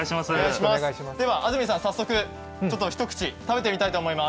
安住さん、早速一口食べてみたいと思います。